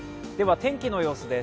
天気の様子です。